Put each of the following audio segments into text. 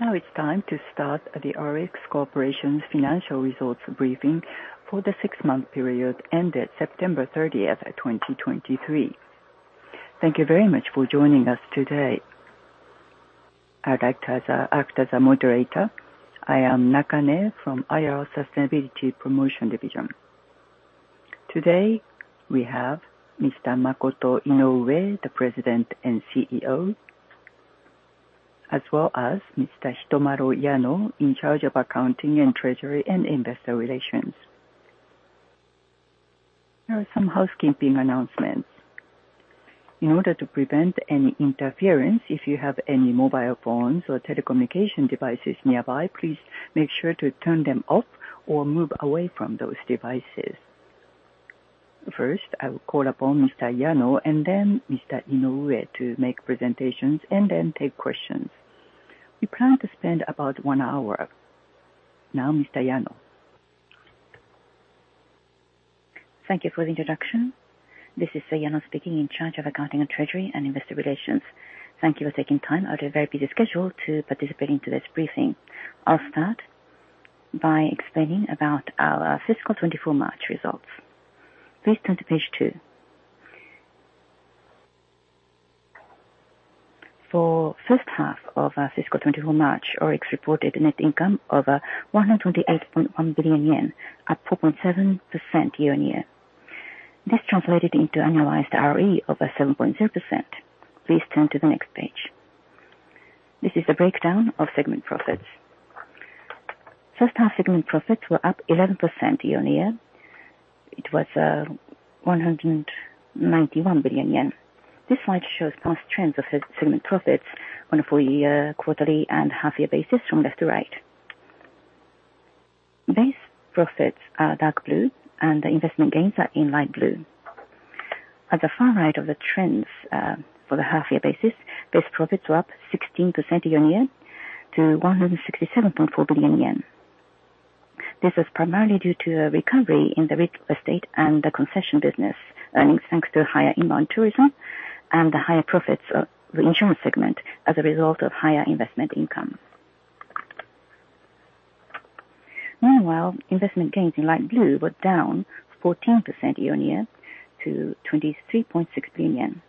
Now it's time to start the ORIX Corporation's financial results briefing for the six-month period ended September thirtieth, 2023. Thank you very much for joining us today. I'd like to act as a moderator. I am Nakane from IR Sustainability Promotion Division. Today, we have Mr. Makoto Inoue, the President and CEO, as well as Mr. Hitomaro Yano, in charge of Accounting and Treasury and Investor Relations. There are some housekeeping announcements. In order to prevent any interference, if you have any mobile phones or telecommunication devices nearby, please make sure to turn them off or move away from those devices. First, I will call upon Mr. Yano and then Mr. Inoue to make presentations and then take questions. We plan to spend about one hour. Now, Mr. Yano. Thank you for the introduction. This is Yano speaking, in charge of Accounting and Treasury and Investor Relations. Thank you for taking time out of your very busy schedule to participate in today's briefing. I'll start by explaining about our fiscal 2024 March results. Please turn to page two. For first half of fiscal 2024 March, ORIX reported net income of 128.1 billion yen at 4.7% year-on-year. This translated into annualized ROE of 7.0%. Please turn to the next page. This is the breakdown of segment profits. First half segment profits were up 11% year-on-year. It was 191 billion yen. This slide shows past trends of segment profits on a full year, quarterly, and half year basis from left to right. Base profits are dark blue and the investment gains are in light blue. At the far right of the trends, for the half-year basis, base profits were up 16% year-on-year to 167.4 billion yen. This is primarily due to a recovery in the Real Estate and the concession business earnings thanks to higher inbound tourism and the higher profits of the Insurance segment as a result of higher investment income. Meanwhile, investment gains in light blue were down 14% year-on-year to 23.6 billion yen.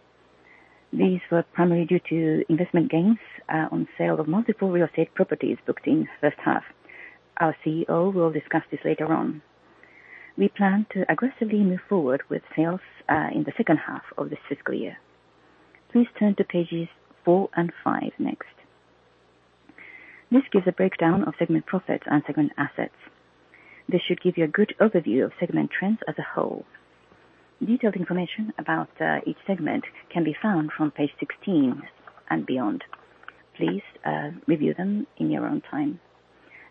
These were primarily due to investment gains on sale of multiple Real Estate properties booked in first half. Our CEO will discuss this later on. We plan to aggressively move forward with sales in the second half of this fiscal year. Please turn to pages 4 and 5 next. This gives a breakdown of segment profits and segment assets. This should give you a good overview of segment trends as a whole. Detailed information about each segment can be found from page 16 and beyond. Please review them in your own time,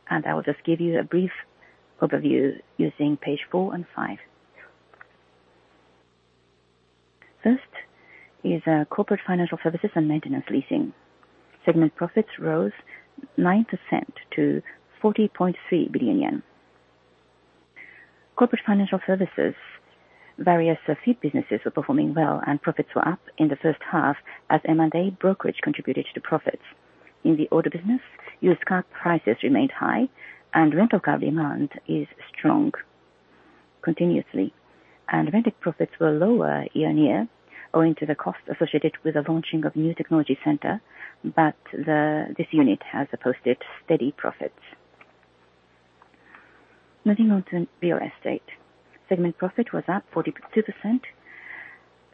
and I will just give you a brief overview using page 4 and 5. First is Corporate Financial Services and Maintenance Leasing. Segment profits rose 9% to 40.3 billion yen. Corporate financial services, various fee businesses were performing well, and profits were up in the first half as M&A brokerage contributed to profits. In the auto business, used car prices remained high, and rental car demand is strong continuously, and rented profits were lower year-on-year, owing to the cost associated with the launching of new technology center, but this unit has posted steady profits. Moving on to Real Estate. Segment profit was up 42%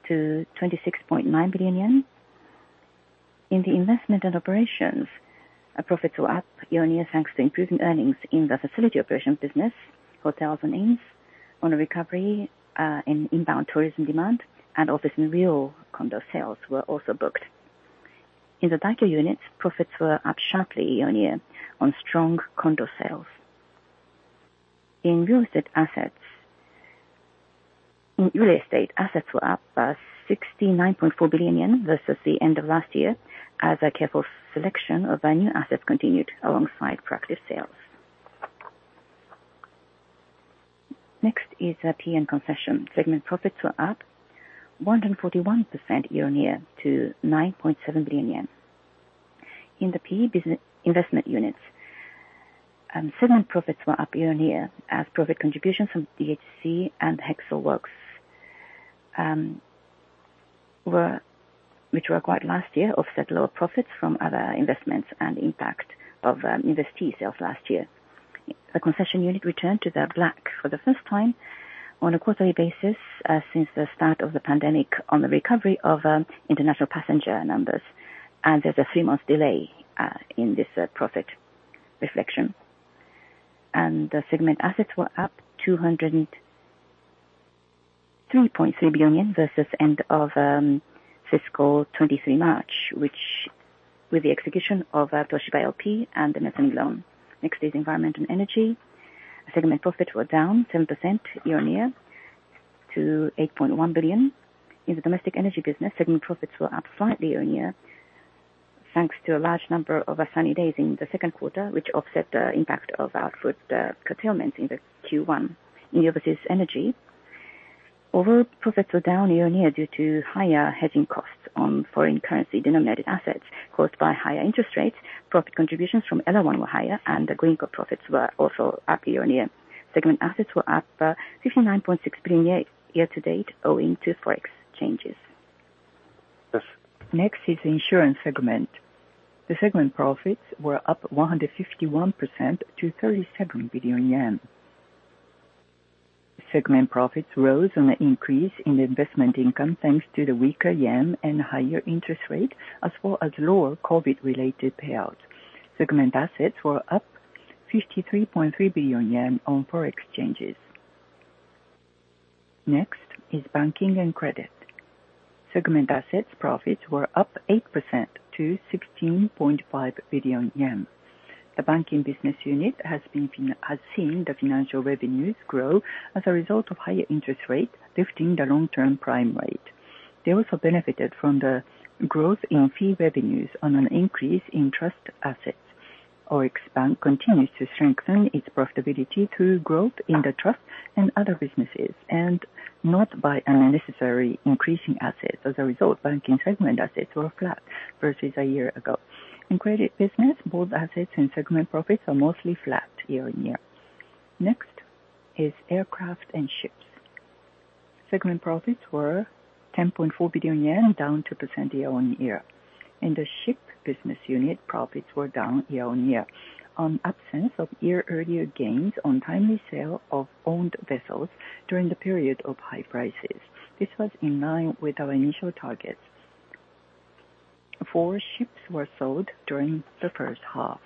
to 26.9 billion yen. In the investment and operations, profits were up year-on-year, thanks to improving earnings in the facility operation business, hotels and inns on a recovery in inbound tourism demand and office and rental condo sales were also booked. In the Daikyo Unit, profits were up sharply year-on-year on strong condo sales. In Real Estate assets, in Real Estate, assets were up 69.4 billion yen versus the end of last year, as a careful selection of our new assets continued alongside asset sales. Next is PE and Concession. Segment profits were up 141% year-on-year to 9.7 billion yen. In the PE Investment Unit, segment profits were up year-on-year as profit contributions from DHC and Hexel Works, which were acquired last year, offset lower profits from other investments and impact of investee sales last year. The Concession Unit returned to the black for the first time on a quarterly basis since the start of the pandemic on the recovery of international passenger numbers, and there's a three-month delay in this profit reflection. The segment assets were up 203.3 billion versus end of fiscal 2023 March, which with the execution of Toshiba LP and the mezzanine loan. Next is Environment and Energy. Segment profits were down 10% year-on-year to 8.1 billion. In the domestic energy business, segment profits were up slightly year-on-year, thanks to a large number of sunny days in the second quarter, which offset the impact of output curtailment in the Q1. In the overseas energy- Overall profits were down year-on-year due to higher hedging costs on foreign currency denominated assets caused by higher interest rates. Profit contributions from Elawan were higher, and the Greenko profits were also up year-on-year. Segment assets were up 59.6 billion year-to-date, owing to Forex changes. Next is Insurance segment. The segment profits were up 151% to 37 billion yen. Segment profits rose on an increase in investment income, thanks to the weaker yen and higher interest rate, as well as lower COVID related payouts. Segment assets were up 53.3 billion yen on Forex changes. Next is Banking and Credit. Segment assets profits were up 8% to 16.5 billion yen. The banking business unit has seen the financial revenues grow as a result of higher interest rates, lifting the long-term prime rate. They also benefited from the growth in fee revenues on an increase in trust assets. ORIX Bank continues to strengthen its profitability through growth in the trust and other businesses, and not by unnecessarily increasing assets. As a result, banking segment assets were flat versus a year ago. In credit business, both assets and segment profits are mostly flat year-on-year. Next is Aircraft and Ships. Segment profits were 10.4 billion yen, down 2% year-on-year. In the Ship Business Unit, profits were down year-on-year on absence of year earlier gains on timely sale of owned vessels during the period of high prices. This was in line with our initial targets. Four ships were sold during the first half.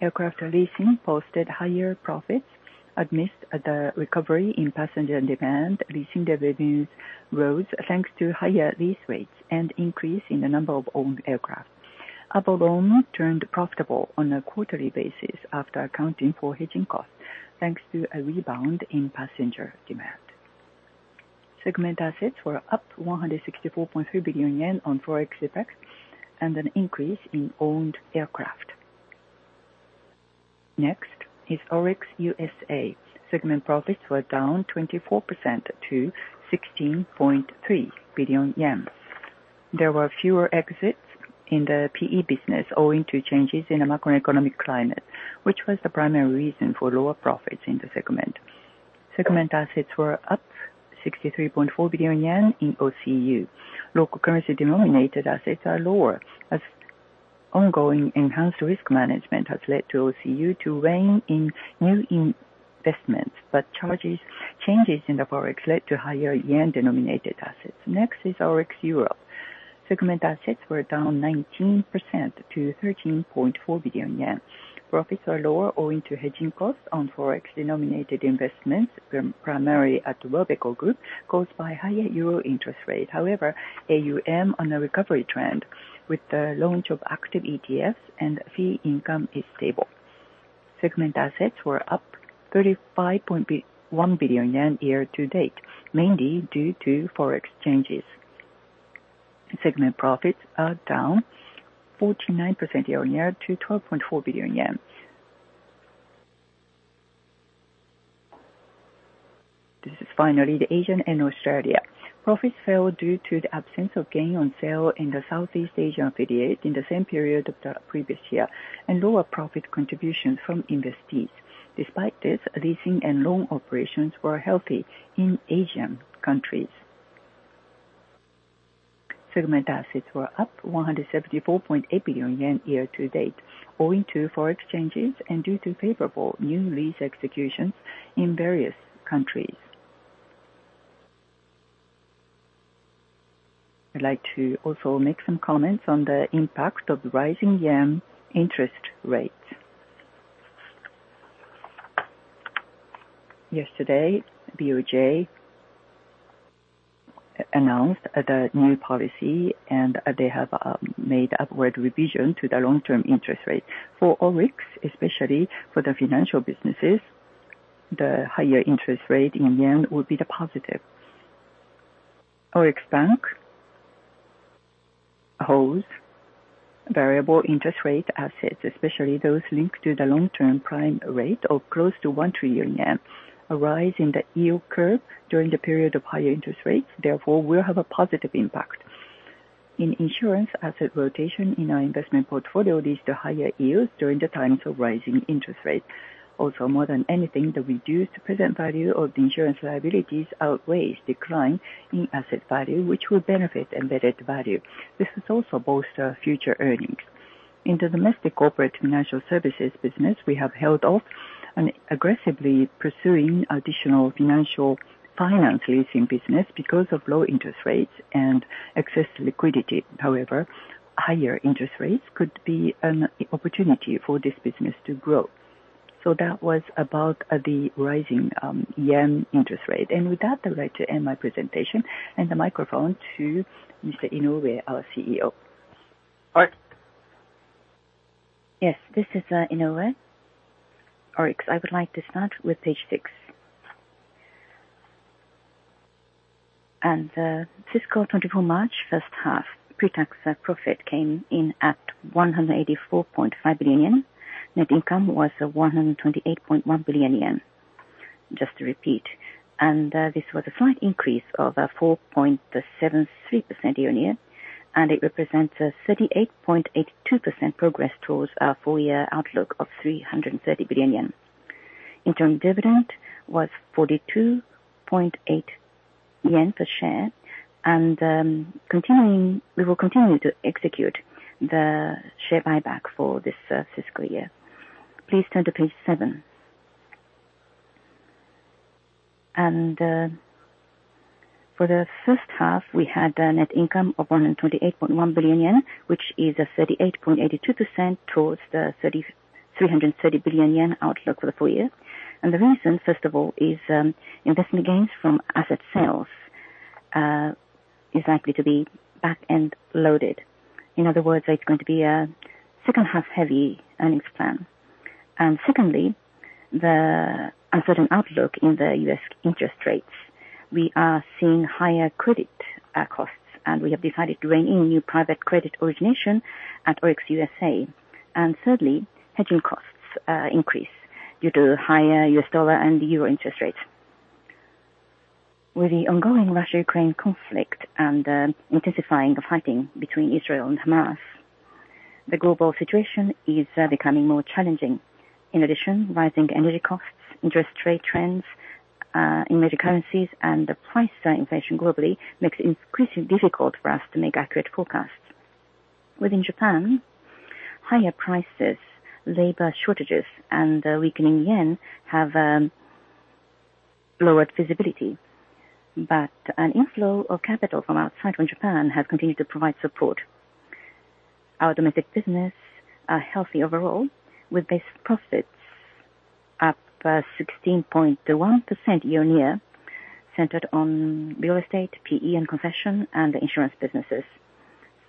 Aircraft leasing posted higher profits amidst the recovery in passenger demand. Leasing revenues rose thanks to higher lease rates and increase in the number of owned aircraft. Avolon, turned profitable on a quarterly basis after accounting for hedging costs, thanks to a rebound in passenger demand. Segment assets were up 164.3 billion yen on Forex effects and an increase in owned aircraft. Next is ORIX USA. Segment profits were down 24% to 16.3 billion yen. There were fewer exits in the PE business, owing to changes in the macroeconomic climate, which was the primary reason for lower profits in the segment. Segment assets were up 63.4 billion yen in OCU. Local currency denominated assets are lower, as ongoing enhanced risk management has led to OCU to rein in new investments, but charges, changes in the Forex led to higher yen-denominated assets. Next is ORIX Europe. Segment assets were down 19% to 13.4 billion yen. Profits are lower, owing to hedging costs on Forex-denominated investments, primarily at Robeco Group, caused by higher euro interest rate. However, AUM on a recovery trend with the launch of active ETFs and fee income is stable. Segment assets were up 35.1 billion yen year-to-date, mainly due to Forex changes. Segment profits are down 49% year-on-year to JPY 12.4 billion. This is finally the Asia and Australia. Profits fell due to the absence of gain on sale in the Southeast Asian affiliate in the same period of the previous year, and lower profit contributions from investees. Despite this, leasing and loan operations were healthy in Asian countries. Segment assets were up 174.8 billion yen year-to-date, owing to Forex changes and due to favorable new lease executions in various countries. I'd like to also make some comments on the impact of rising yen interest rates. Yesterday, BOJ announced the new policy, and they have made upward revision to the long-term interest rate. For ORIX, especially for the financial businesses, the higher interest rate in yen will be the positive. ORIX Bank holds variable interest rate assets, especially those linked to the long-term prime rate, of close to 1 trillion yen. A rise in the yield curve during the period of higher interest rates, therefore, will have a positive impact. In Insurance, asset rotation in our investment portfolio leads to higher yields during the times of rising interest rates. Also, more than anything, the reduced present value of the insurance liabilities outweighs decline in asset value, which will benefit embedded value. This is also bolster future earnings. In the domestic corporate financial services business, we have held off on aggressively pursuing additional financial finance leasing business because of low interest rates and excess liquidity. However, higher interest rates could be an opportunity for this business to grow. So that was about the rising yen interest rate. And with that, I'd like to end my presentation and the microphone to Mr. Inoue, our CEO. All right. Yes, this is Inoue. ORIX, I would like to start with page six. Fiscal 2024 March first half, pre-tax profit came in at 184.5 billion yen. Net income was 128.1 billion yen, just to repeat. This was a slight increase of 4.73% year-on-year, and it represents a 38.82% progress towards our full year outlook of 330 billion yen. Interim dividend was 42.8 yen per share. Continuing, we will continue to execute the share buyback for this fiscal year. Please turn to page 7. For the first half, we had a net income of 128.1 billion yen, which is a 38.82% towards the 330 billion yen outlook for the full year. The reason, first of all, is investment gains from asset sales is likely to be back-end loaded. In other words, it's going to be a second-half heavy earnings plan. And secondly, the uncertain outlook in the U.S. interest rates, we are seeing higher credit costs, and we have decided to rein in new private credit origination at ORIX USA. And thirdly, hedging costs increase due to higher U.S. dollar and euro interest rates. With the ongoing Russia-Ukraine conflict and intensifying of fighting between Israel and Hamas, the global situation is becoming more challenging. In addition, rising energy costs, interest rate trends in major currencies, and the price inflation globally makes it increasingly difficult for us to make accurate forecasts. Within Japan, higher prices, labor shortages, and a weakening yen have lowered visibility, but an inflow of capital from outside from Japan has continued to provide support. Our domestic business are healthy overall, with base profits up 16.1% year-on-year, centered on Real Estate, PE and Concession, and Insurance businesses.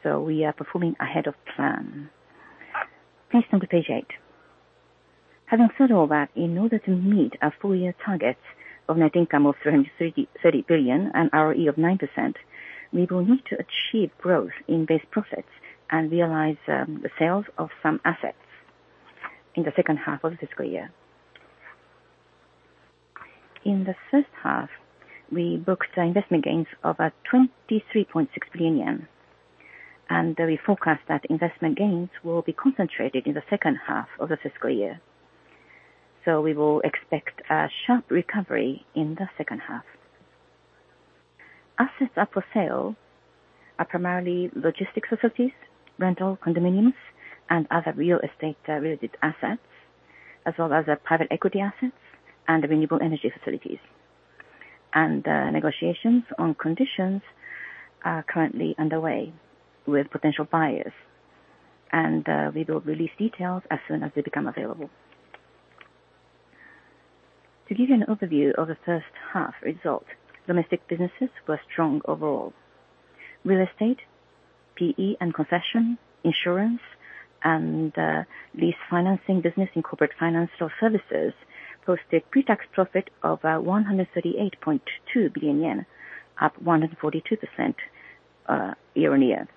So we are performing ahead of plan. Please turn to page 8. Having said all that, in order to meet our full year targets of net income of 330 billion and ROE of 9%, we will need to achieve growth in base profits and realize the sales of some assets in the second half of the fiscal year. In the first half, we booked investment gains of 23.6 billion yen, and we forecast that investment gains will be concentrated in the second half of the fiscal year. So we will expect a sharp recovery in the second half. Assets up for sale are primarily logistics facilities, rental condominiums, and other Real Estate related assets, as well as our private equity assets and renewable energy facilities. Negotiations on conditions are currently underway with potential buyers, and we will release details as soon as they become available. To give you an overview of the first half results, domestic businesses were strong overall. Real Estate, PE and Concession, Insurance, and lease financing business and corporate financial services posted pre-tax profit of 138.2 billion yen, up 142% year-on-year.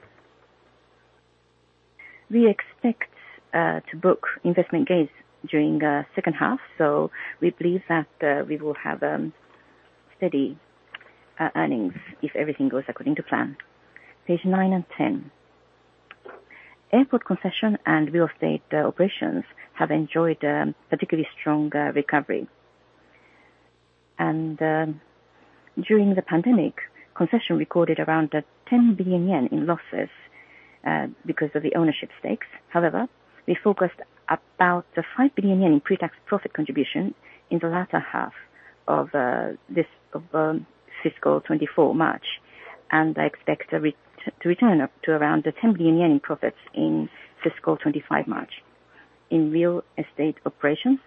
We expect to book investment gains during the second half, so we believe that we will have steady earnings if everything goes according to plan. Page 9 and 10. Airport concession and Real Estate operations have enjoyed a particularly strong recovery. During the pandemic, concession recorded around 10 billion yen in losses because of the ownership stakes. However, we focused about the 5 billion yen in pre-tax profit contribution in the latter half of this fiscal 2024 March, and I expect a return up to around the 10 billion yen in profits in fiscal 2025 March. In Real Estate operations,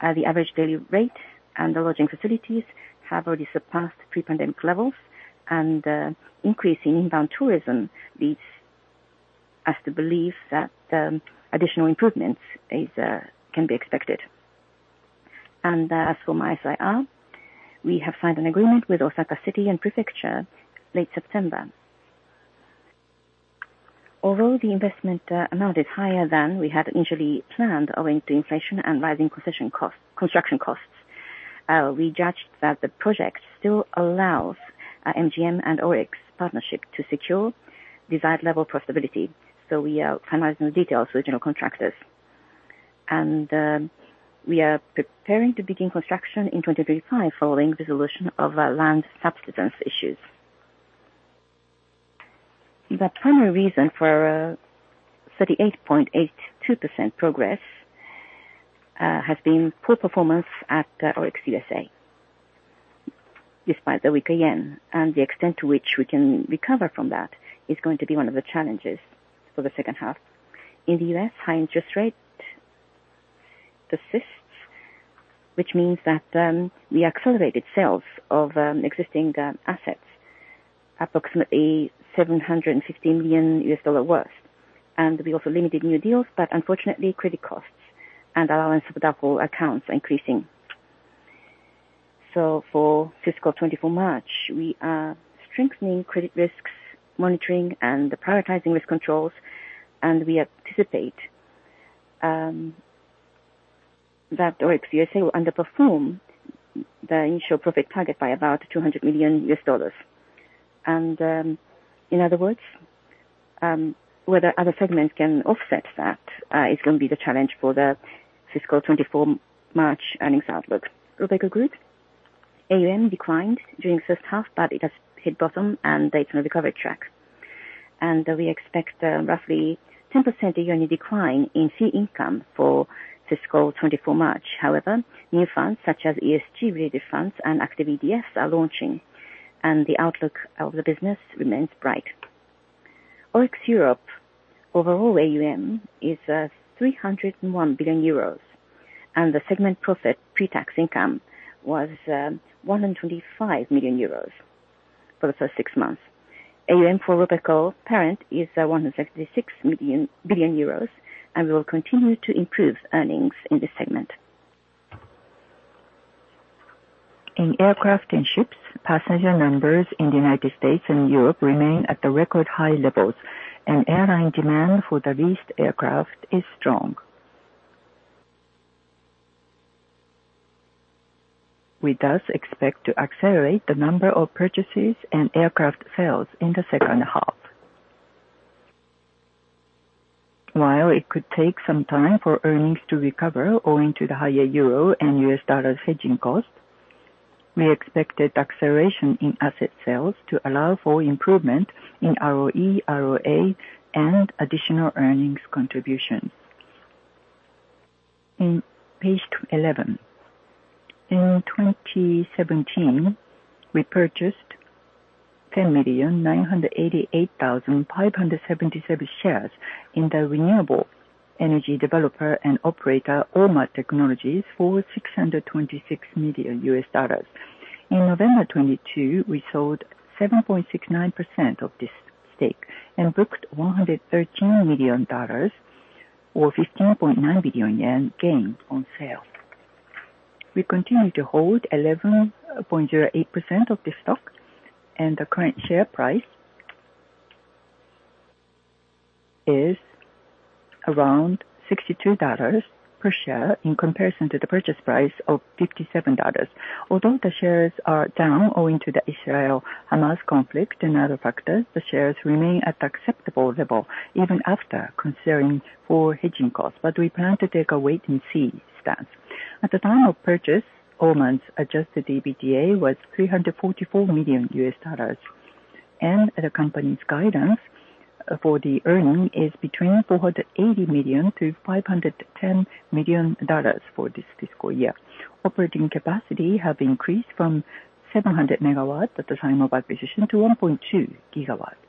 the average daily rate and the lodging facilities have already surpassed pre-pandemic levels, and increase in inbound tourism leads us to believe that additional improvements can be expected. As for Osaka IR, we have signed an agreement with Osaka City and Prefecture late September. Although the investment amount is higher than we had initially planned, owing to inflation and rising concession costs, construction costs, we judged that the project still allows MGM and ORIX partnership to secure desired level of profitability. So we are finalizing details with general contractors. We are preparing to begin construction in 2035, following the solution of land subsidence issues. The primary reason for 38.82% progress has been poor performance at ORIX USA, despite the weak yen. The extent to which we can recover from that is going to be one of the challenges for the second half. In the U.S., high interest rate persists, which means that we accelerated sales of existing assets, approximately $750 million worth. We also limited new deals, but unfortunately, credit costs- And allowance for doubtful accounts increasing. So for fiscal 2024 March, we are strengthening credit risks, monitoring, and prioritizing risk controls, and we anticipate that ORIX USA will underperform the initial profit target by about $200 million. In other words, whether other segments can offset that is going to be the challenge for the fiscal 2024 March earnings outlook. Robeco Group, AUM declined during the first half, but it has hit bottom and is on a recovery track. We expect roughly 10% year-on-year decline in fee income for fiscal 2024 March. However, new funds such as ESG funds and active ETFs are launching, and the outlook of the business remains bright. ORIX Europe, overall AUM is 301 billion euros, and the segment profit pre-tax income was 125 million euros for the first six months. AUM for Robeco parent is 166 billion euros, and we will continue to improve earnings in this segment. In Aircraft and Ships, passenger numbers in the United States and Europe remain at the record high levels, and airline demand for the leased aircraft is strong. We thus expect to accelerate the number of purchases and aircraft sales in the second half. While it could take some time for earnings to recover, owing to the higher euro and US dollar hedging costs, we expect an acceleration in asset sales to allow for improvement in ROE, ROA, and additional earnings contributions. In page eleven. In 2017, we purchased 10,988,577 shares in the renewable energy developer and operator, Ormat Technologies, for $626 million. In November 2022, we sold 7.69% of this stake and booked $113 million or 15.9 billion yen gain on sale. We continue to hold 11.08% of the stock, and the current share price is around $62 per share in comparison to the purchase price of $57. Although the shares are down, owing to the Israel-Hamas conflict and other factors, the shares remain at acceptable level, even after considering for hedging costs, but we plan to take a wait and see stance. At the time of purchase, Ormat's adjusted EBITDA was $344 million, and the company's guidance for the earnings is between $480 million-$510 million for this fiscal year. Operating capacity have increased from 700 megawatts at the time of acquisition to 1.2 gigawatts,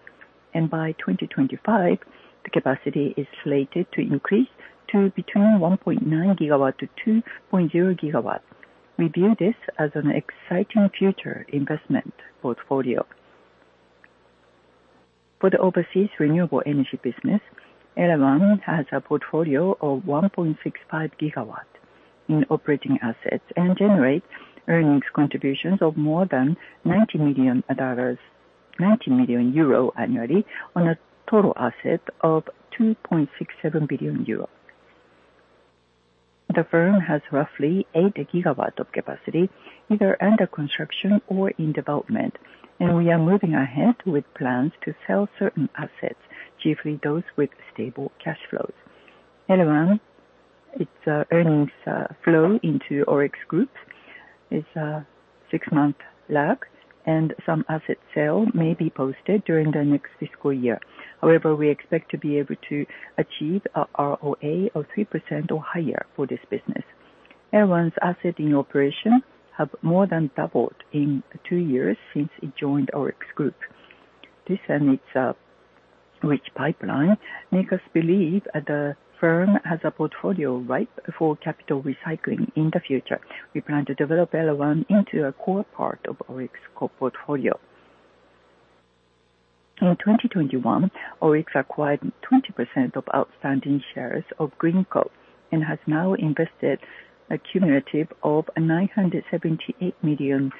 and by 2025, the capacity is slated to increase to between 1.9 gigawatts-2.0 gigawatts. We view this as an exciting future investment portfolio. For the overseas renewable energy business, Elawan has a portfolio of 1.65 gigawatts in operating assets and generates earnings contributions of more than $90 million, 90 million euro annually on a total asset of 2.67 billion euro. The firm has roughly 8 gigawatts of capacity, either under construction or in development, and we are moving ahead with plans to sell certain assets, chiefly those with stable cash flows. Elawan, its earnings flow into ORIX Group is six-month lag, and some asset sale may be posted during the next fiscal year. However, we expect to be able to achieve a ROA of 3% or higher for this business. Elawan's assets in operation have more than doubled in 2 years since it joined ORIX Group. This and its rich pipeline make us believe that the firm has a portfolio ripe for capital recycling in the future. We plan to develop Elawan into a core part of ORIX core portfolio. In 2021, ORIX acquired 20% of outstanding shares of Greenko and has now invested a cumulative $978 million.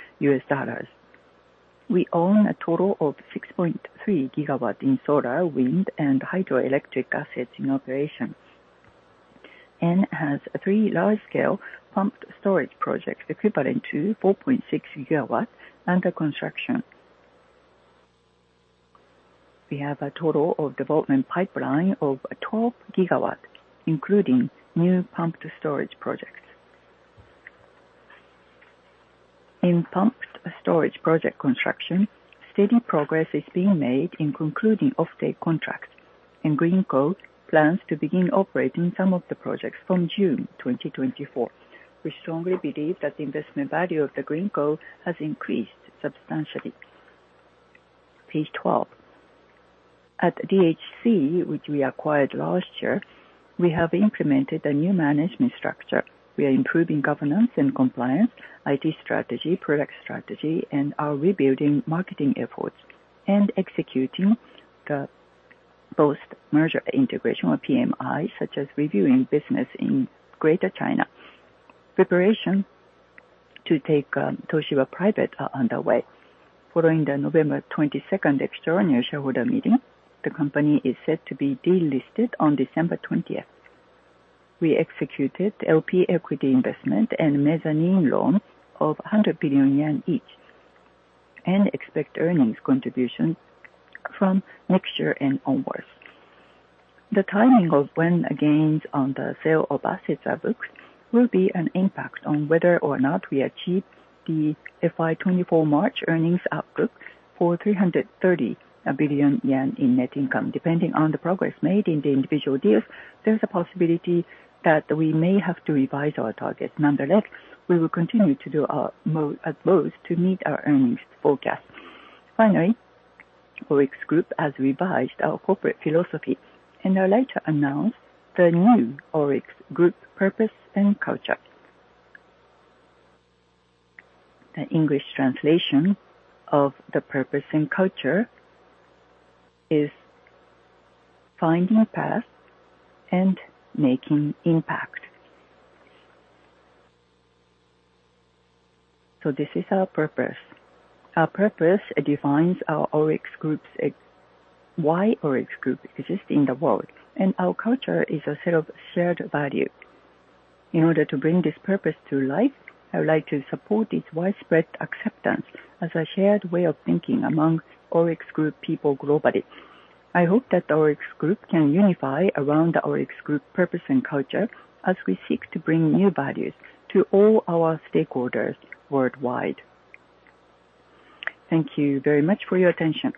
We own a total of 6.3 gigawatts in solar, wind, and hydroelectric assets in operation and has three large-scale pumped storage projects equivalent to 4.6 gigawatts under construction. We have a total of development pipeline of 12 gigawatts, including new pumped storage projects. In pumped storage project construction, steady progress is being made in concluding offtake contracts, and Greenko plans to begin operating some of the projects from June 2024. We strongly believe that the investment value of the Greenko has increased substantially. Page 12. At DHC, which we acquired last year, we have implemented a new management structure. We are improving governance and compliance, IT strategy, product strategy, and are rebuilding marketing efforts and executing the...... Post-merger integration or PMI, such as reviewing business in Greater China. Preparation to take Toshiba private is underway. Following the November 22 extraordinary shareholder meeting, the company is set to be delisted on December 20. We executed LP equity investment and mezzanine loan of 100 billion yen each, and expect earnings contribution from next year and onwards. The timing of when gains on the sale of assets are booked will be an impact on whether or not we achieve the FY 2024 March earnings outlook for 330 billion yen in net income. Depending on the progress made in the individual deals, there is a possibility that we may have to revise our targets. Nonetheless, we will continue to do our most to meet our earnings forecast. Finally, ORIX Group has revised our corporate philosophy, and I'd like to announce the new ORIX Group purpose and culture. The English translation of the purpose and culture is: finding a path and making impact. So this is our purpose. Our purpose defines our ORIX Group's, why ORIX Group exists in the world, and our culture is a set of shared value. In order to bring this purpose to life, I would like to support its widespread acceptance as a shared way of thinking among ORIX Group people globally. I hope that ORIX Group can unify around the ORIX Group purpose and culture as we seek to bring new values to all our stakeholders worldwide. Thank you very much for your attention.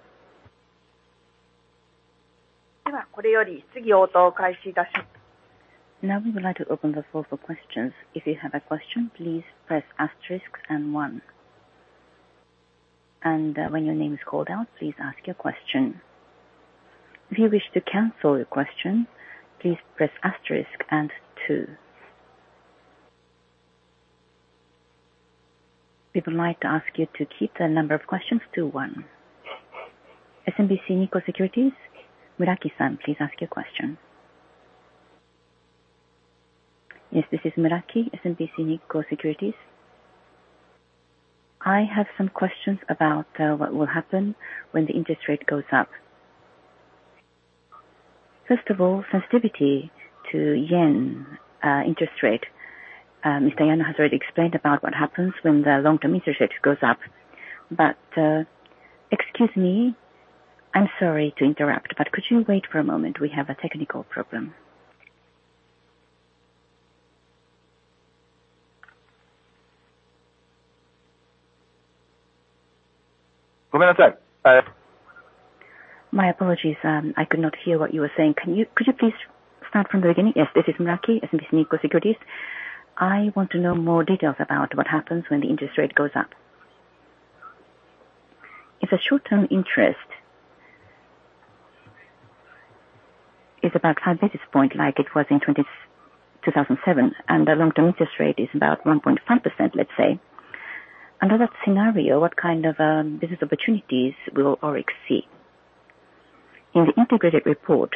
Now, we would like to open the floor for questions. If you have a question, please press asterisk and one. When your name is called out, please ask your question. If you wish to cancel your question, please press asterisk and two. We would like to ask you to keep the number of questions to one. SMBC Nikko Securities, Muraki-san, please ask your question. Yes, this is Muraki, SMBC Nikko Securities. I have some questions about what will happen when the interest rate goes up. First of all, sensitivity to yen interest rate. Mr. Yano has already explained about what happens when the long-term interest rate goes up. But excuse me, I'm sorry to interrupt, but could you wait for a moment? We have a technical problem. My apologies. I could not hear what you were saying. Could you please start from the beginning? Yes, this is Muraki, SMBC Nikko Securities. I want to know more details about what happens when the interest rate goes up. If a short-term interest is about five basis point, like it was in 2007, and the long-term interest rate is about 1.5%, let's say, under that scenario, what kind of business opportunities will ORIX see? In the integrated report,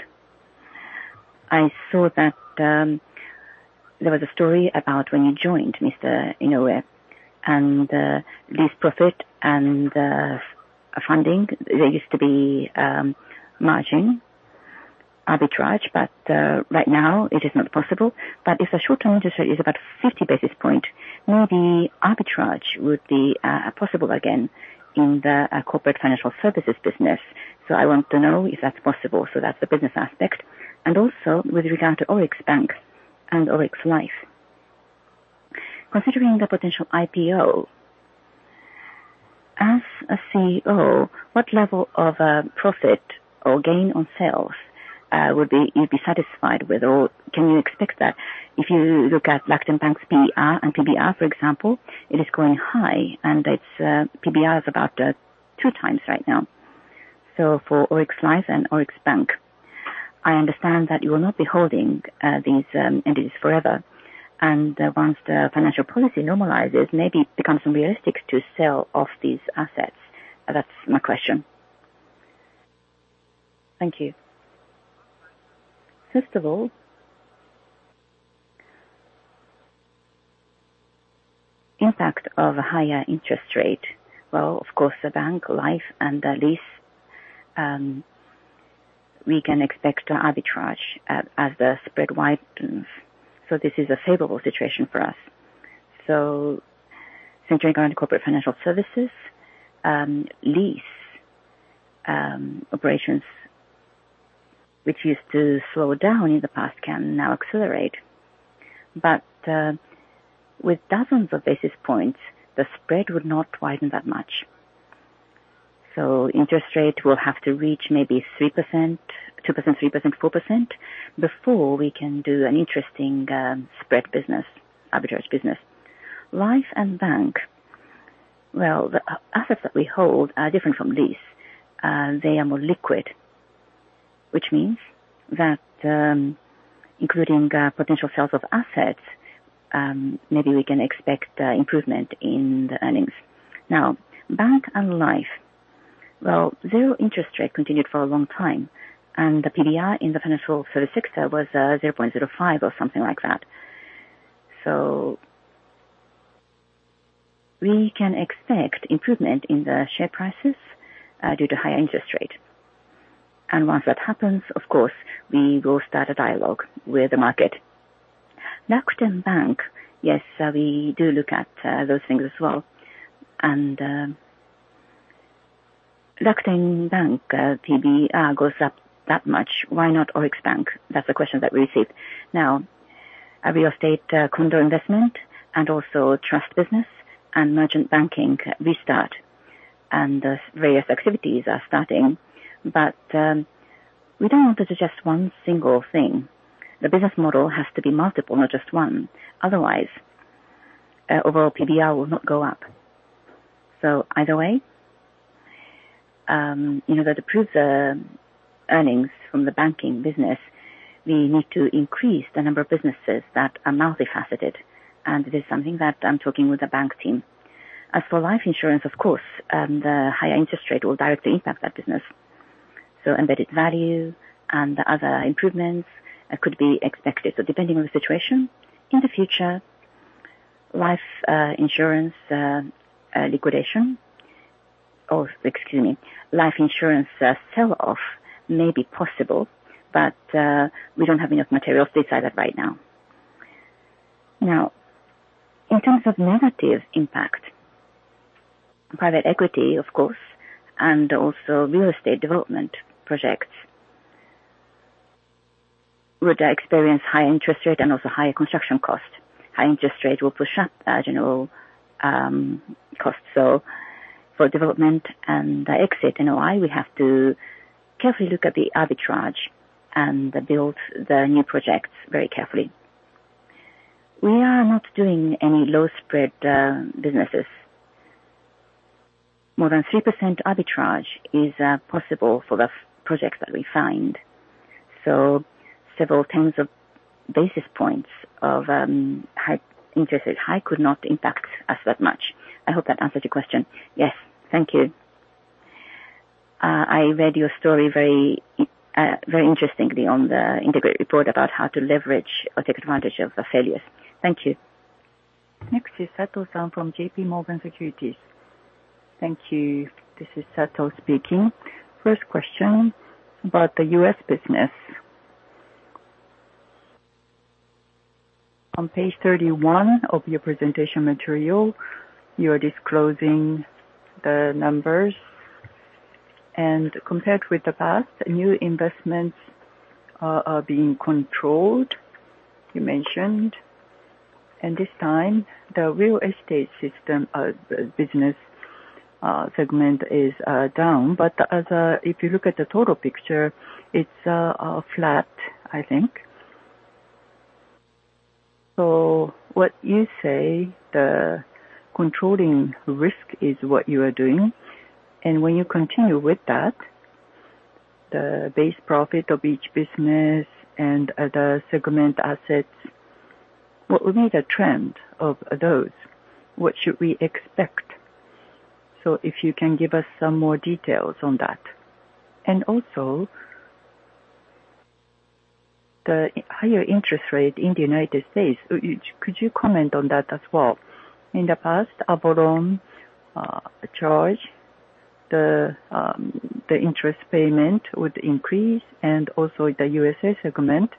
I saw that there was a story about when you joined Mr. Inoue, and lease profit and funding. There used to be margin arbitrage, but right now it is not possible. But if the short-term interest rate is about 50 basis point, maybe arbitrage would be possible again in the corporate financial services business. So I want to know if that's possible, so that's the business aspect. And also, with regard to ORIX Bank and ORIX Life, considering the potential IPO, as a CEO, what level of profit or gain on sales would be- you'd be satisfied with? Or can you expect that if you look at Rakuten Bank's PR and PBR, for example, it is growing high, and its PBR is about 2x right now. So for ORIX Life and ORIX Bank, I understand that you will not be holding these entities forever. And once the financial policy normalizes, maybe it becomes unrealistic to sell off these assets. That's my question. Thank you. First of all, impact of a higher interest rate. Well, of course, the bank, life, and the lease, we can expect arbitrage as the spread widens, so this is a favorable situation for us. So centering around corporate financial services, lease operations, which used to slow down in the past, can now accelerate. But with dozens of basis points, the spread would not widen that much. So interest rate will have to reach maybe 3%, 2%, 3%, 4% before we can do an interesting, spread business, arbitrage business. Life and bank, well, the assets that we hold are different from lease. They are more liquid, which means that, including potential sales of assets, maybe we can expect improvement in the earnings. Now, bank and life, well, zero interest rate continued for a long time, and the PBR in the financial sector was 0.05 or something like that. So we can expect improvement in the share prices due to higher interest rate. And once that happens, of course, we will start a dialogue with the market. Rakuten Bank, yes, we do look at those things as well. And Rakuten Bank, PBR goes up that much. Why not ORIX Bank? That's the question that we received. Now, a Real Estate, condo investment and also trust business and merchant banking, we start, and the various activities are starting, but we don't want to suggest one single thing. The business model has to be multiple, not just one. Otherwise, overall PBR will not go up. So either way, in order to prove the earnings from the banking business, we need to increase the number of businesses that are multifaceted, and this is something that I'm talking with the bank team. As for life insurance, of course, the higher interest rate will directly impact that business. So embedded value and the other improvements could be expected. So depending on the situation, in the future, life insurance liquidation, or excuse me, life insurance sell-off may be possible, but we don't have enough materials to decide that right now. Now, in terms of negative impact, private equity, of course, and also Real Estate development projects, would experience high interest rate and also higher construction cost. High interest rate will push up general costs. So for development and exit NOI, we have to carefully look at the arbitrage and build the new projects very carefully. We are not doing any low spread businesses. More than 3% arbitrage is possible for the future projects that we find. So several tens of basis points of higher interest rate hikes could not impact us that much. I hope that answers your question. Yes. Thank you. I read your story very, very interestingly on the integrated report about how to leverage or take advantage of the failures. Thank you. Next is Sato-san from JPMorgan Securities. Thank you. This is Sato speaking. First question about the US business. On page 31 of your presentation material, you are disclosing the numbers, and compared with the past, new investments are being controlled, you mentioned, and this time, the Real Estate system business segment is down. But as if you look at the total picture, it's flat, I think. So what you say, the controlling risk is what you are doing, and when you continue with that, the base profit of each business and other segment assets, what would be the trend of those? What should we expect? So if you can give us some more details on that. And also, the higher interest rate in the United States, could you comment on that as well? In the past, our loan charge, the interest payment would increase and also the U.S. segment,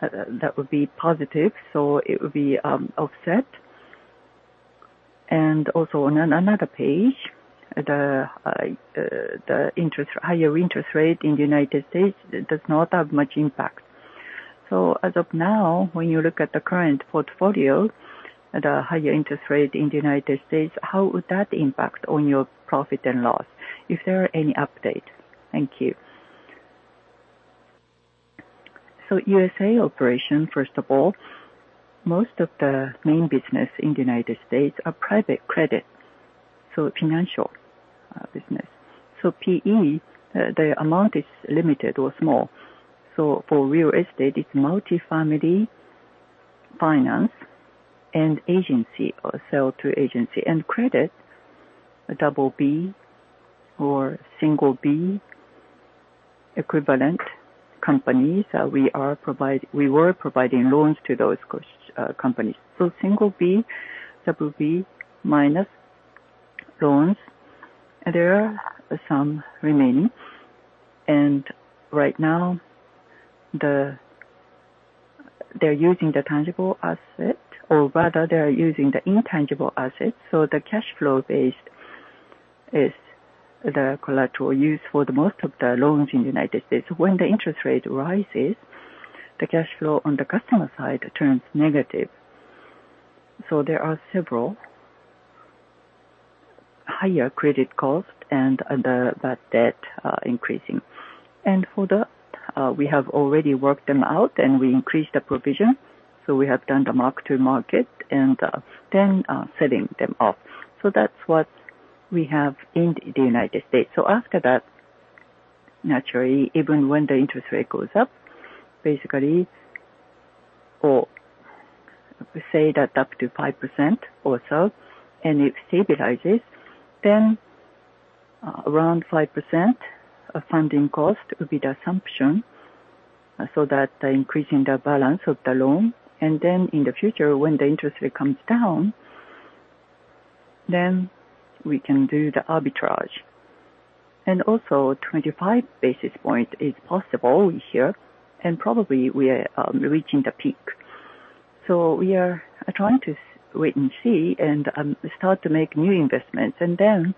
that would be positive, so it would be offset. And also, on another page, the interest, higher interest rate in the United States does not have much impact. So as of now, when you look at the current portfolio, the higher interest rate in the United States, how would that impact on your profit and loss, if there are any update? Thank you. So U.S. operation, first of all, most of the main business in the United States are private credit, so financial business. So PE, the amount is limited or small. So for Real Estate, it's multifamily finance and agency or sell to agency. And credit, double B or single B equivalent companies, we were providing loans to those companies. So single B, double B minus loans, there are some remaining, and right now, they're using the tangible asset, or rather, they are using the intangible assets, so the cash flow based is the collateral use for the most of the loans in the United States. When the interest rate rises, the cash flow on the customer side turns negative, so there are several higher credit costs and the increasing. And for the, we have already worked them out, and we increased the provision, so we have done the mark to market and then setting them up. So that's what we have in the United States. So after that-... Naturally, even when the interest rate goes up, basically, or we say that up to 5% or so, and it stabilizes, then, around 5% of funding cost will be the assumption, so that increasing the balance of the loan. And then in the future, when the interest rate comes down, then we can do the arbitrage. And also, 25 basis point is possible here, and probably we are reaching the peak. So we are trying to wait and see and start to make new investments, and then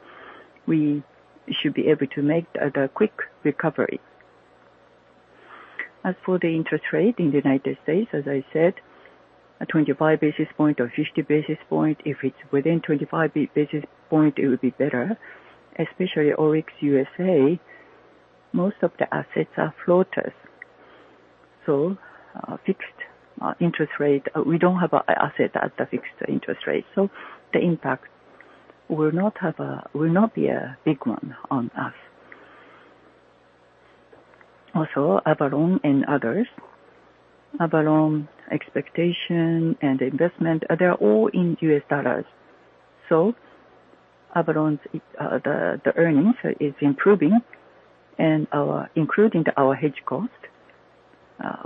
we should be able to make the quick recovery. As for the interest rate in the United States, as I said, a 25 basis point or 50 basis point, if it's within 25 basis point, it would be better. Especially ORIX USA, most of the assets are floaters, so fixed interest rate we don't have a asset at the fixed interest rate, so the impact will not be a big one on us. Also, Avolon and others. Avolon expectation and investment, they are all in U.S. dollars. So Avolon's, the earnings is improving and our, including our hedge cost,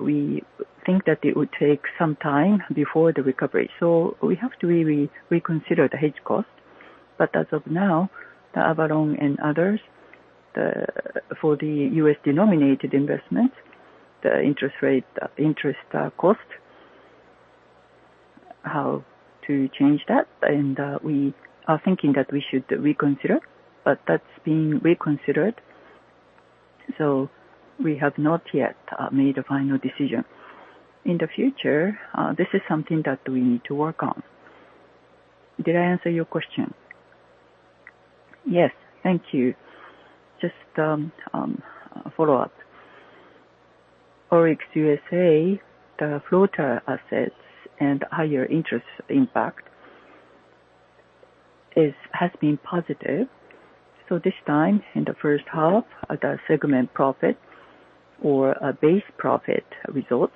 we think that it would take some time before the recovery. So we have to really reconsider the hedge cost. But as of now, the Avolon and others, for the U.S. denominated investment, the interest rate, interest cost, how to change that, and we are thinking that we should reconsider, but that's being reconsidered, so we have not yet made a final decision. In the future, this is something that we need to work on. Did I answer your question? Yes, thank you. Just a follow-up. ORIX USA, the floater assets and higher interest impact is, has been positive. So this time, in the first half, the segment profit or base profit results,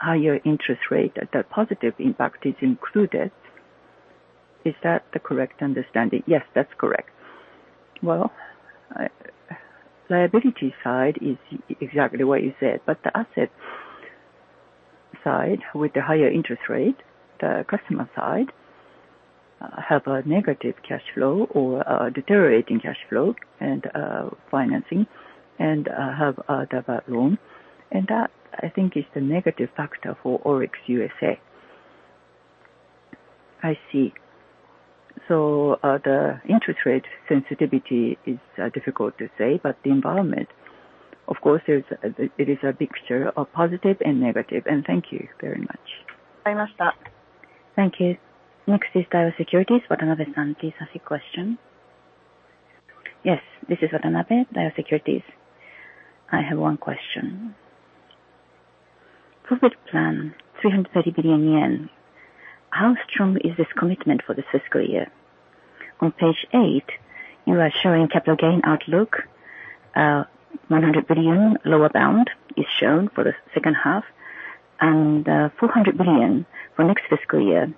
higher interest rate, the positive impact is included. Is that the correct understanding? Yes, that's correct. Well, liability side is exactly what you said, but the asset side, with the higher interest rate, the customer side have a negative cash flow or a deteriorating cash flow and financing and have the loan. And that, I think, is the negative factor for ORIX USA. I see. The interest rate sensitivity is difficult to say, but the environment, of course, it is a mixture of positive and negative, and thank you very much. Thank you. Next is Daiwa Securities, Watanabe-san, please ask your question. Yes, this is Watanabe, Daiwa Securities. I have one question. Profit plan, 330 billion yen. How strong is this commitment for the fiscal year? On page eight, you are showing capital gain outlook, one hundred billion lower bound is shown for the second half, and, four hundred billion for next fiscal year.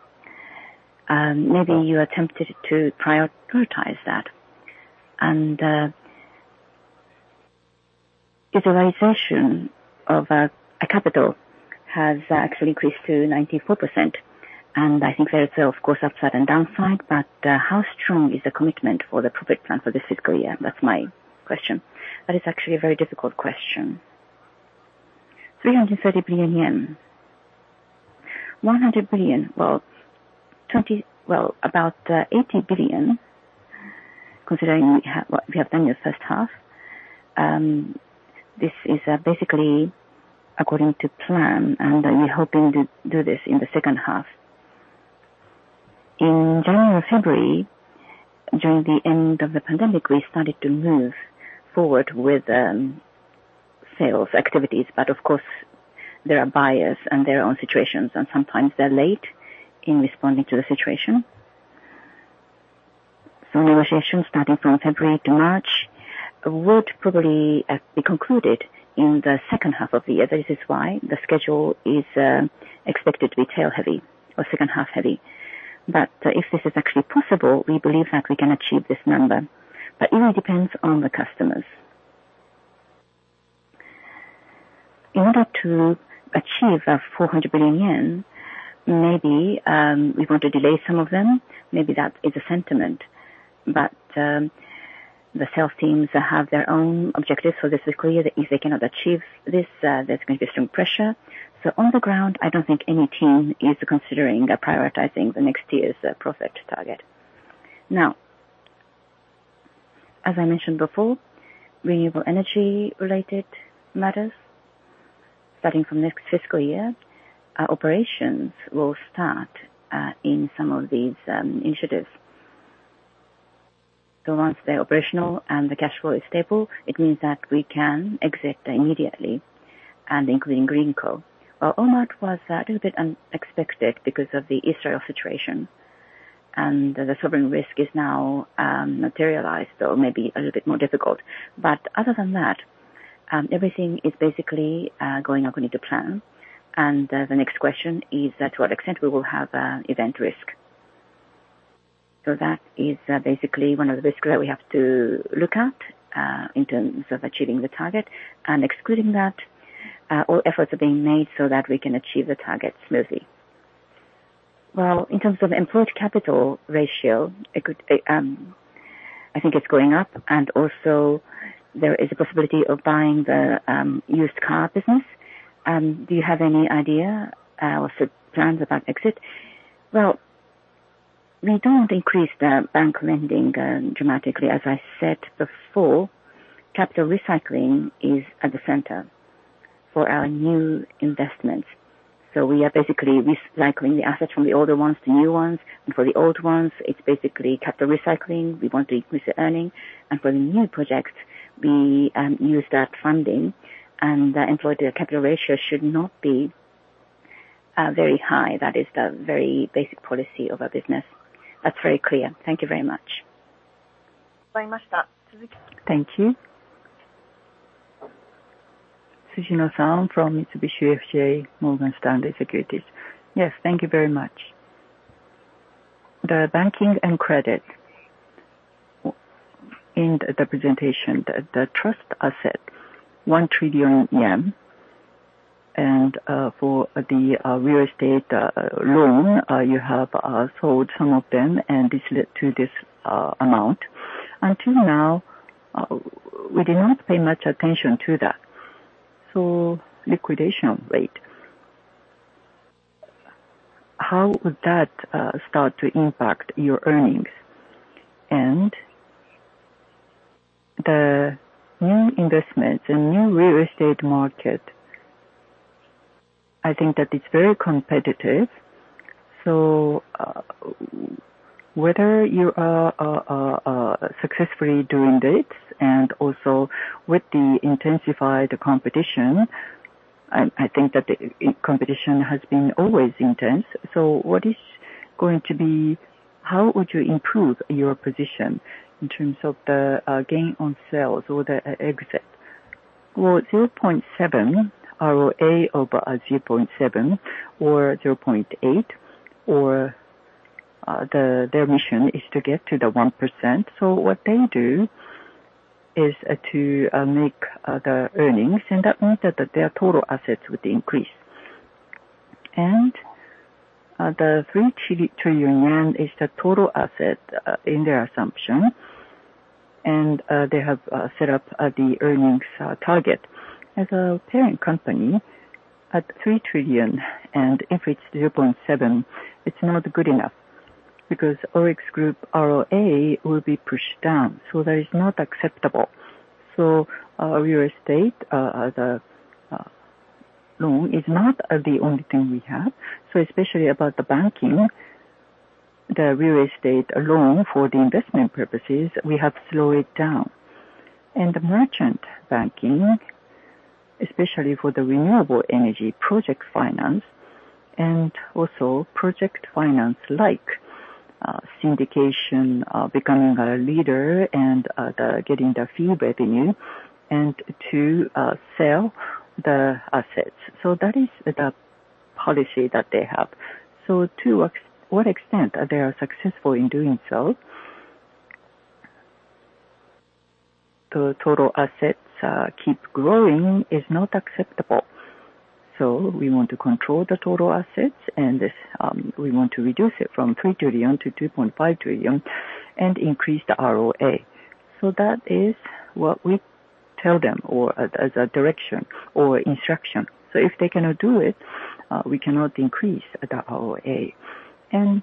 Maybe you are tempted to prioritize that. And, utilization of, a capital has actually increased to 94%, and I think there is, of course, upside and downside, but, how strong is the commitment for the profit plan for this fiscal year? That's my question. That is actually a very difficult question. 330 billion yen. 100 billion, well, 20, well, about, eighty billion, considering we have, what we have done in the first half. This is basically according to plan, and we're hoping to do this in the second half. In January, February, during the end of the pandemic, we started to move forward with sales activities. But of course, there are buyers and their own situations, and sometimes they're late in responding to the situation. So negotiations starting from February to March would probably be concluded in the second half of the year. This is why the schedule is expected to be tail-heavy or second half heavy. But if this is actually possible, we believe that we can achieve this number, but it all depends on the customers. In order to achieve 400 billion yen, maybe we want to delay some of them. Maybe that is a sentiment. But the sales teams have their own objectives for this fiscal year. If they cannot achieve this, there's going to be some pressure. So on the ground, I don't think any team is considering prioritizing the next year's profit target. Now, as I mentioned before, renewable energy-related matters, starting from next fiscal year, our operations will start in some of these initiatives. So once they're operational and the cash flow is stable, it means that we can exit immediately, and including Greenko. While Ormat was a little bit unexpected because of the Israel situation. And the sovereign risk is now materialized or maybe a little bit more difficult. But other than that, everything is basically going according to plan. And the next question is that to what extent we will have event risk? So that is basically one of the risks that we have to look at in terms of achieving the target. And excluding that, all efforts are being made so that we can achieve the target smoothly. Well, in terms of employed capital ratio, it could, I think it's going up, and also there is a possibility of buying the used car business. Do you have any idea or plans about exit? Well, we don't increase the bank lending dramatically. As I said before, Capital Recycling is at the center for our new investments. So we are basically recycling the assets from the older ones to new ones, and for the old ones, it's basically Capital Recycling. We want to increase the earning, and for the new projects, we use that funding. The employed capital ratio should not be very high. That is the very basic policy of our business. That's very clear. Thank you very much. Thank you. Tsujino-san from Mitsubishi UFJ Morgan Stanley Securities. Yes, thank you very much. The Banking and Credit in the presentation, the trust asset, 1 trillion yen, and for the Real Estate loan, you have sold some of them, and this led to this amount. Until now, we did not pay much attention to that. So liquidation rate, how would that start to impact your earnings? And the new investments and new Real Estate market, I think that it's very competitive, so whether you are successfully doing this and also with the intensified competition, I think that the competition has been always intense. So what is going to be, how would you improve your position in terms of the gain on sales or the exit? Well, 0.7 ROA over 0.7 or 0.8, or their mission is to get to the 1%. So what they do is to make the earnings, and that means that their total assets would increase. And the 3 trillion yen is the total asset in their assumption. And they have set up the earnings target. As a parent company, at 3 trillion, and if it's 0.7, it's not good enough because ORIX Group ROA will be pushed down, so that is not acceptable. So our Real Estate as a loan is not the only thing we have. So especially about the banking, the Real Estate loan for the investment purposes, we have slowed it down. And the merchant banking, especially for the renewable energy project finance and also project finance, like, syndication, becoming a leader and, the getting the fee revenue and to, sell the assets. So that is the policy that they have. So to what extent are they successful in doing so? The total assets keep growing is not acceptable. So we want to control the total assets, and this, we want to reduce it from 3 trillion to 2.5 trillion and increase the ROA. So that is what we tell them or as, as a direction or instruction. So if they cannot do it, we cannot increase the ROA. And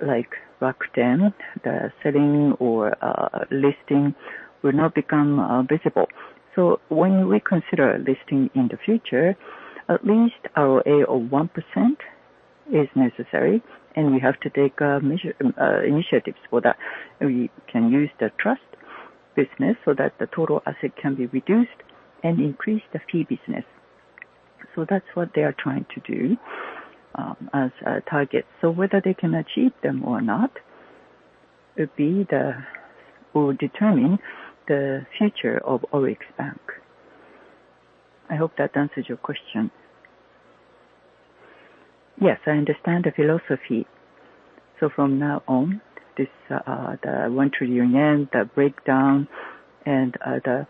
like back then, the selling or listing will not become visible. So when we consider listing in the future, at least ROA of 1% is necessary, and we have to take measures, initiatives for that. We can use the trust business so that the total asset can be reduced and increase the fee business. So that's what they are trying to do, as a target. So whether they can achieve them or not, it will be the will determine the future of ORIX Bank. I hope that answers your question. Yes, I understand the philosophy. So from now on, this, the JPY 1 trillion, the breakdown and, the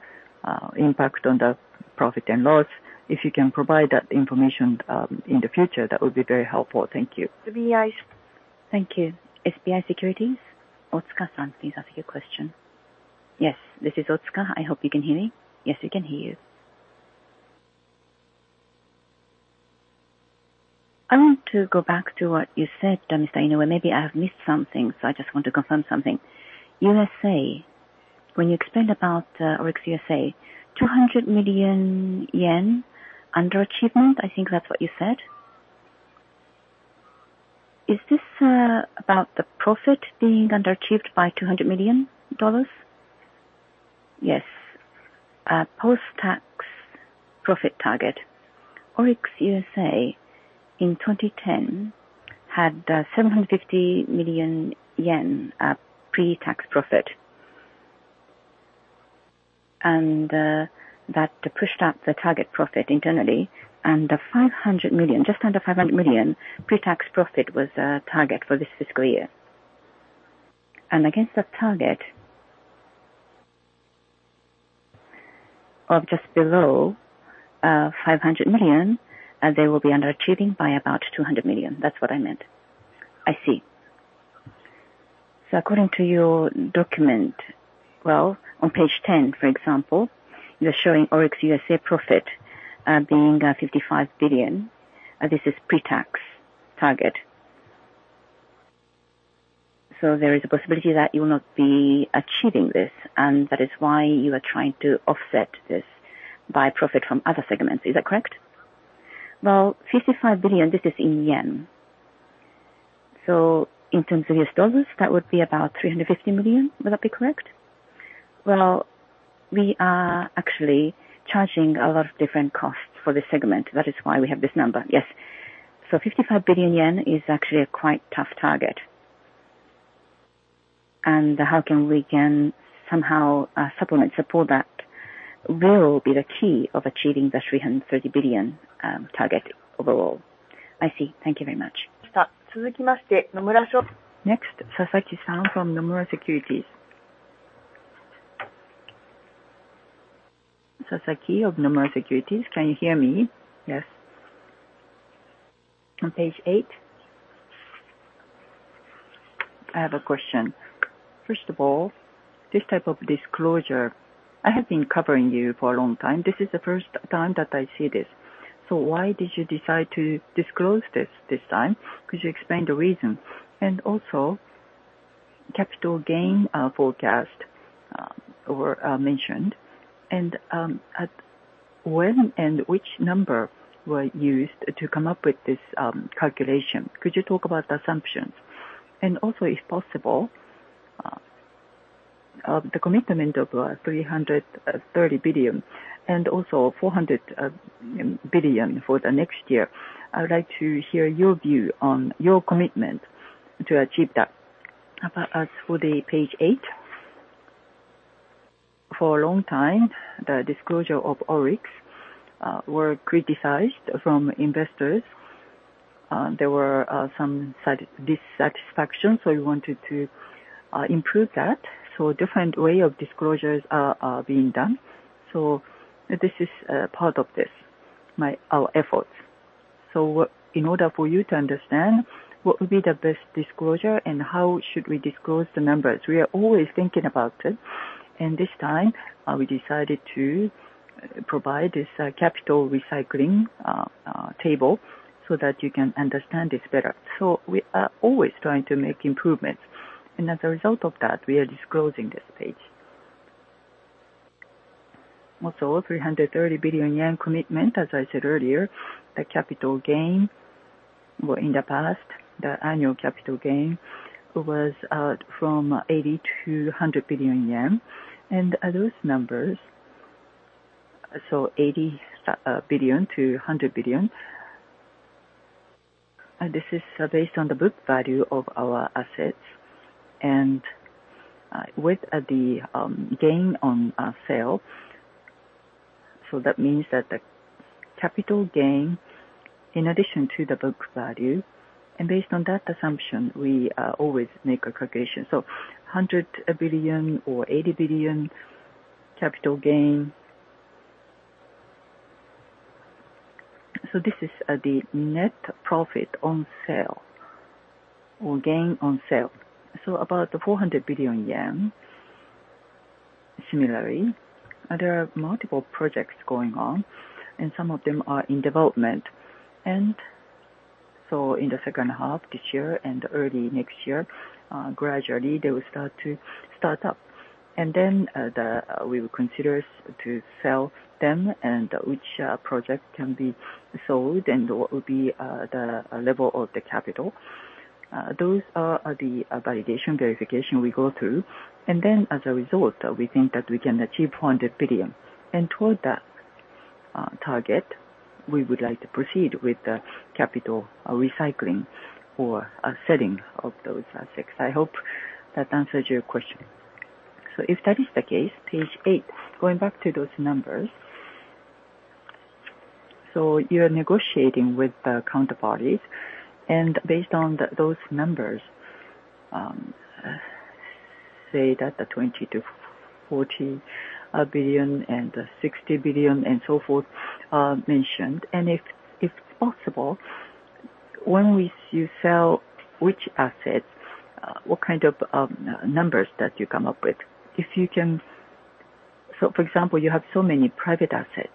impact on the profit and loss, if you can provide that information, in the future, that would be very helpful. Thank you. Thank you. SBI Securities, Otsuka-san, please ask your question. Yes, this is Otsuka. I hope you can hear me. Yes, we can hear you. I want to go back to what you said, Mr. Inoue, maybe I have missed something, so I just want to confirm something. USA, when you explained about ORIX USA, 200 million yen underachievement, I think that's what you said. Is this about the profit being underachieved by $200 million? Yes. Post-tax profit target. ORIX USA in 2010 had 750 million yen pre-tax profit. And that pushed up the target profit internally and the 500 million, just under 500 million pre-tax profit was target for this fiscal year. And against that target of just below 500 million, and they will be under achieving by about 200 million. That's what I meant. I see. So according to your document, well, on page 10, for example, you're showing ORIX USA profit being $55 billion. This is pre-tax target. So there is a possibility that you will not be achieving this, and that is why you are trying to offset this by profit from other segments. Is that correct? Well, 55 billion, this is in yen. In terms of US dollars, that would be about $350 million. Would that be correct? Well, we are actually charging a lot of different costs for this segment. That is why we have this number. Yes. So 55 billion yen is actually a quite tough target. And how can we somehow supplement, support that will be the key of achieving the 330 billion target overall. I see. Thank you very much. Next, Sasaki-san from Nomura Securities. Sasaki of Nomura Securities, can you hear me? Yes. On page eight? I have a question. First of all, this type of disclosure, I have been covering you for a long time. This is the first time that I see this. So why did you decide to disclose this, this time? Could you explain the reason? And also, capital gain forecast were mentioned, and at when and which number were used to come up with this calculation? Could you talk about the assumptions? And also, if possible, the commitment of 330 billion and also 400 billion for the next year, I would like to hear your view on your commitment to achieve that. About as for the page 8, for a long time, the disclosure of ORIX were criticized from investors. There were some dissatisfaction, so we wanted to improve that. So different way of disclosures are being done. So this is part of this, our efforts. So in order for you to understand what would be the best disclosure and how should we disclose the numbers, we are always thinking about it. And this time, we decided to provide this, Capital Recycling, table, so that you can understand this better. So we are always trying to make improvements, and as a result of that, we are disclosing this page. Also, 330 billion yen commitment, as I said earlier, the capital gain, well, in the past, the annual capital gain was from 80 billion-100 billion yen. And those numbers, so 80 billion-100 billion, this is based on the book value of our assets and with the gain on sale. So that means that the capital gain, in addition to the book value, and based on that assumption, we always make a calculation. So 100 billion or 80 billion capital gain. So this is the net profit on sale or gain on sale, so about 400 billion yen. Similarly, there are multiple projects going on, and some of them are in development. And so in the second half, this year and early next year, gradually they will start to start up, and then we will consider to sell them and which project can be sold and what would be the level of the capital. Those are the validation, verification we go through. And then as a result, we think that we can achieve 100 billion. And toward that target, we would like to proceed with the capital recycling or a setting of those assets. I hope that answers your question. So if that is the case, page 8, going back to those numbers. So you're negotiating with the counterparties, and based on those numbers, say that the 20 billion-40 billion and 60 billion and so forth, are mentioned. And if, if possible, when you sell which assets, what kind of numbers that you come up with? If you can... So, for example, you have so many private assets,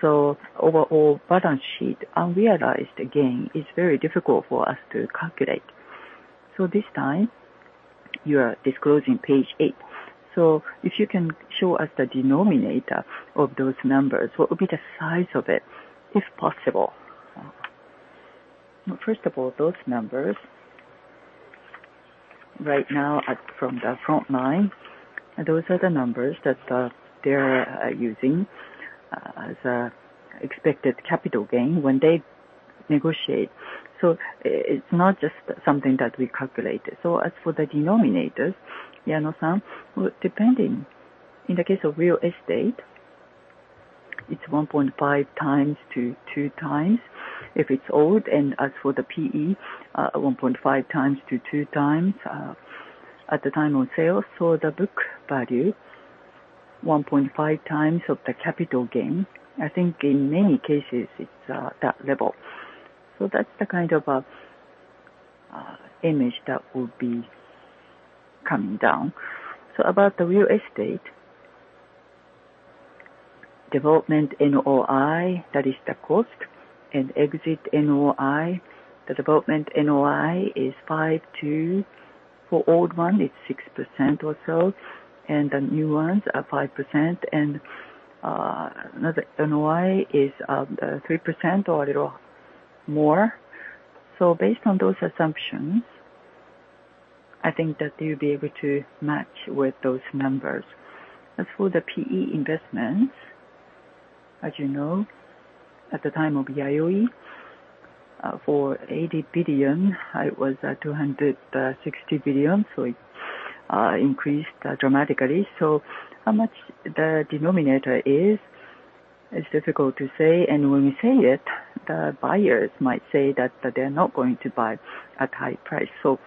so overall balance sheet, unrealized gain is very difficult for us to calculate. So this time, you are disclosing page 8. So if you can show us the denominator of those numbers, what would be the size of it, if possible? Well, first of all, those numbers right now are from the front line, and those are the numbers that they're using as an expected capital gain when they negotiate. So it's not just something that we calculated. So as for the denominators, Yano-san, well, depending. In the case of Real Estate, it's 1.5-2 times if it's old. And as for the PE, 1.5-2 times at the time on sale. So the book value, 1.5 times of the capital gain. I think in many cases it's that level. So that's the kind of image that will be coming down. So about the Real Estate, development NOI, that is the cost, and exit NOI. The development NOI is 5 to, for old one, it's 6% or so, and the new ones are 5%, and another NOI is 3% or a little more. So based on those assumptions, I think that you'll be able to match with those numbers. As for the PE investments, as you know, at the time of Yayoi, for 80 billion, it was 260 billion, so it increased dramatically. So how much the denominator is, it's difficult to say, and when we say it, the buyers might say that they're not going to buy at high price. So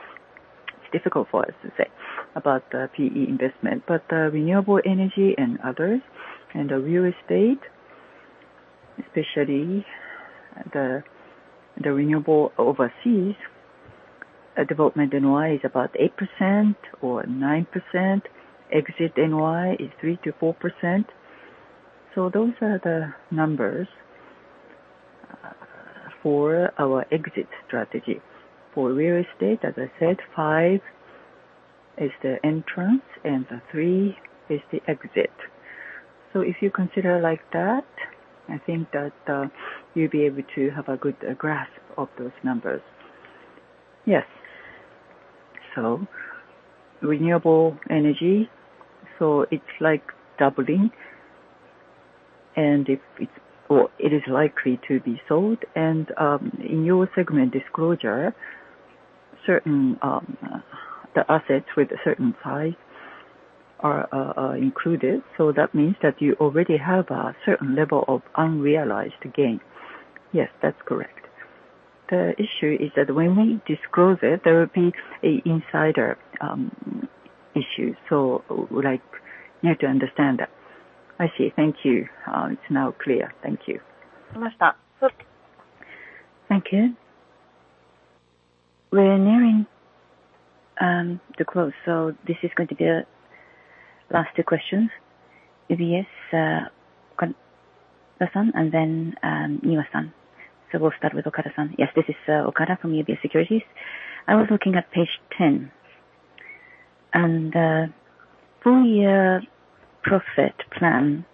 it's difficult for us to say about the PE investment. But renewable energy and others, and the Real Estate, especially the renewable overseas development NOI is about 8% or 9%. Exit NOI is 3%-4%. So those are the numbers for our exit strategy. For Real Estate, as I said, 5 is the entrance and the 3 is the exit. So if you consider like that, I think that you'll be able to have a good grasp of those numbers. Yes. So renewable energy, so it's like doubling, and if it's or it is likely to be sold. And in your segment disclosure, certain assets with a certain size are included, so that means that you already have a certain level of unrealized gains. Yes, that's correct. The issue is that when we disclose it, there will be an insider issue, so would like you to understand that. I see. Thank you. It's now clear. Thank you. Thank you. We're nearing the close, so this is going to be the last two questions. UBS, Okada-san, and then, Niwa-san. So we'll start with Okada-san. Yes, this is Okada from UBS Securities. I was looking at page 10, and full year profit plan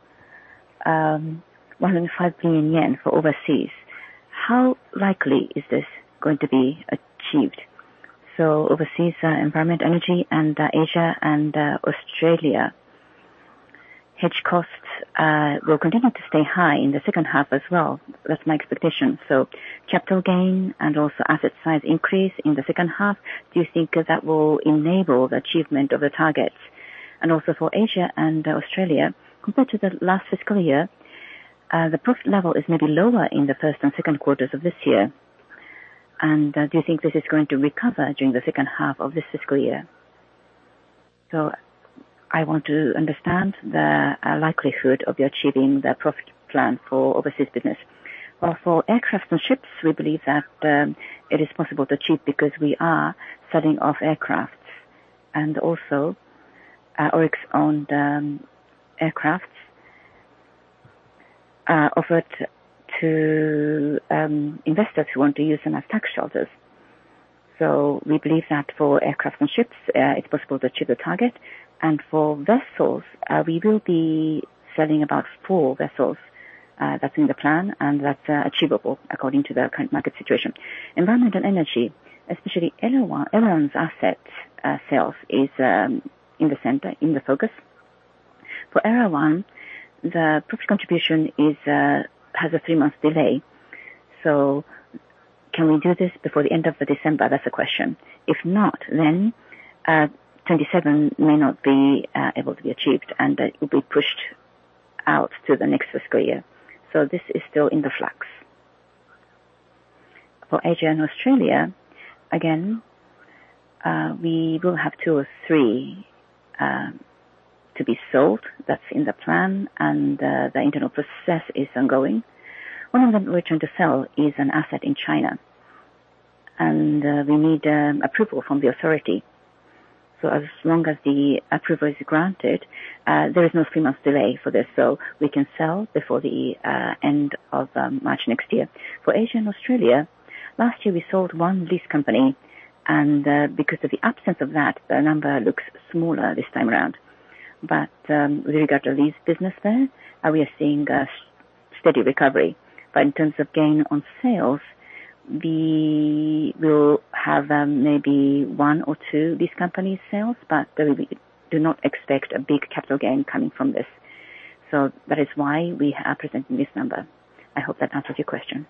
105 billion yen for overseas. How likely is this going to be achieved? So overseas environment, energy, and Asia and Australia, hedge costs will continue to stay high in the second half as well. That's my expectation. So capital gain and also asset size increase in the second half, do you think that will enable the achievement of the targets? And also for Asia and Australia, compared to the last fiscal year, the profit level is maybe lower in the first and second quarters of this year. And do you think this is going to recover during the second half of this fiscal year? I want to understand the likelihood of you achieving the profit plan for overseas business. Well, for Aircraft and Ships, we believe that it is possible to achieve because we are selling off aircrafts and also ORIX-owned aircrafts offered to investors who want to use them as tax shelters. So we believe that for Aircraft and Ships, it's possible to achieve the target. And for vessels, we will be selling about 4 vessels, that's in the plan, and that's achievable according to the current market situation. Environment and Energy, especially Elawan, Elawan's asset sales is in the center, in the focus. For Elawan, the profit contribution is has a 3-month delay. So can we do this before the end of the December? That's the question. If not, then 27 may not be able to be achieved, and it will be pushed out to the next fiscal year. So this is still in the flux. For Asia and Australia, again, we will have two or three to be sold. That's in the plan, and the internal process is ongoing. One of them we're trying to sell is an asset in China, and we need approval from the authority. So as long as the approval is granted, there is no three-month delay for this, so we can sell before the end of March next year. For Asia and Australia, last year we sold one lease company, and because of the absence of that, the number looks smaller this time around. But with regard to lease business there, we are seeing a steady recovery. But in terms of gain on sales, we will have, maybe one or two of these companies' sales, but we, we do not expect a big capital gain coming from this. So that is why we are presenting this number. I hope that answers your question.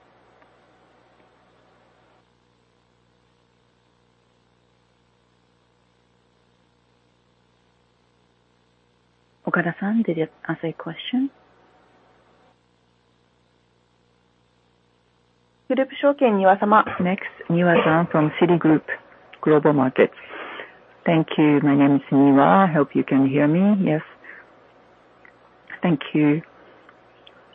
Okada-san, did it answer your question? Citigroup, Niwa-sama. Next, Niwa-san from Citigroup Global Markets. Thank you. My name is Niwa. I hope you can hear me. Yes? Thank you.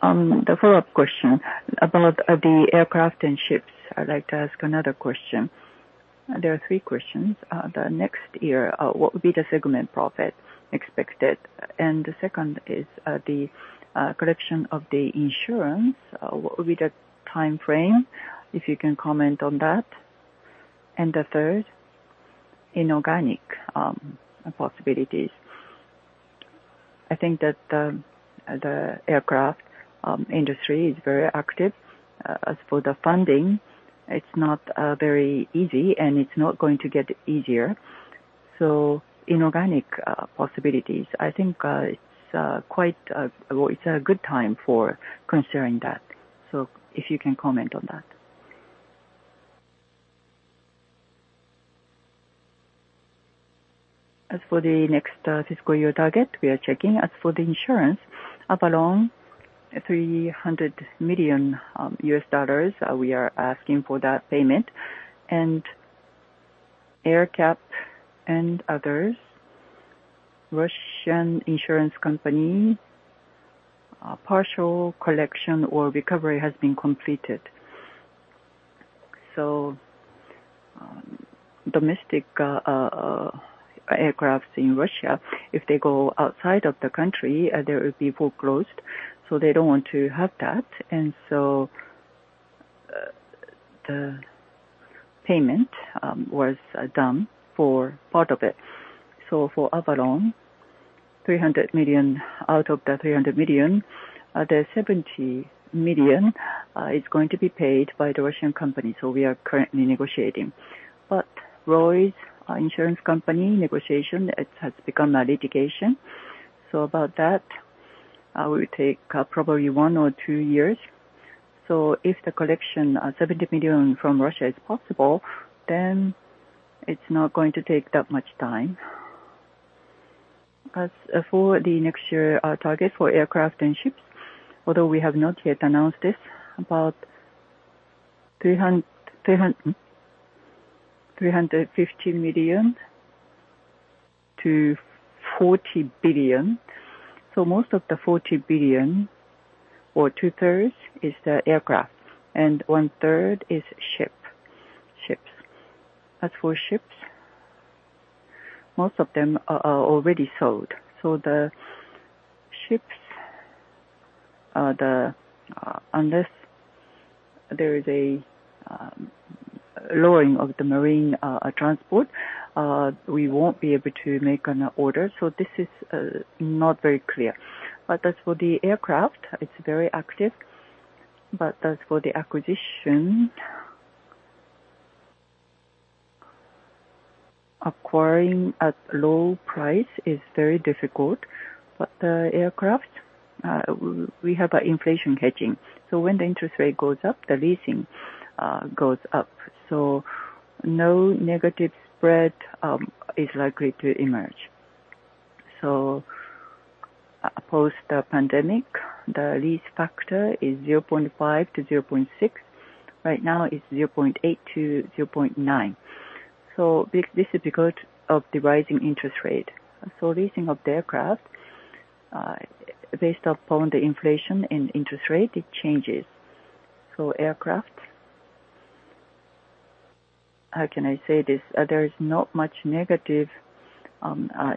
The follow-up question about the Aircraft and Ships, I'd like to ask another question. There are three questions. The next year, what would be the segment profit expected? And the second is the collection of the insurance, what would be the timeframe, if you can comment on that? And the third, inorganic possibilities. I think that the aircraft industry is very active. As for the funding, it's not very easy, and it's not going to get easier. So inorganic possibilities, I think, it's quite, well, it's a good time for considering that. So if you can comment on that. As for the next fiscal year target, we are checking. As for the insurance, Avolon $300 million, we are asking for that payment. And AerCap and others, Russian insurance company, partial collection or recovery has been completed. So, domestic aircraft in Russia, if they go outside of the country, they will be foreclosed, so they don't want to have that. And so, the payment was done for part of it. So for Avolon, $300 million, out of the $300 million, the $70 million is going to be paid by the Russian company, so we are currently negotiating. But Lloyd's insurance company negotiation, it has become a litigation. So about that, will take probably 1 or 2 years. So if the collection $70 million from Russia is possible, then it's not going to take that much time. As for the next year, our target for Aircraft and Ships, although we have not yet announced this, about 350 million-40 billion. So most of the 40 billion or two-thirds is the aircraft, and one-third is ship, ships. As for ships, most of them are already sold. So the ships, unless there is a lowering of the marine transport, we won't be able to make an order, so this is not very clear. But as for the aircraft, it's very active. But as for the acquisition, acquiring at low price is very difficult. But the aircraft, we have an inflation hedging, so when the interest rate goes up, the leasing goes up, so no negative spread is likely to emerge. So post the pandemic, the lease factor is 0.5-0.6. Right now, it's 0.8-0.9. So this is because of the rising interest rate. So leasing of the aircraft, based upon the inflation and interest rate, it changes. So aircraft. How can I say this? There is not much negative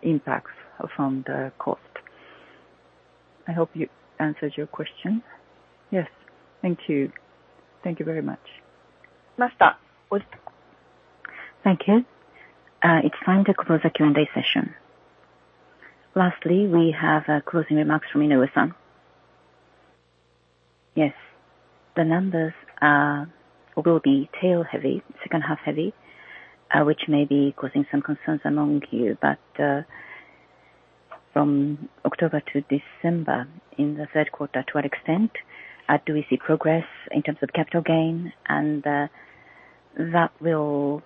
impacts from the cost. I hope you answered your question. Yes. Thank you. Thank you very much. Master, with- Thank you. It's time to close the Q&A session. Lastly, we have closing remarks from Inoue-san. Yes. The numbers will be tail heavy, second half heavy, which may be causing some concerns among you. But, from October to December, in the third quarter, to what extent do we see progress in terms of capital gain? And, that will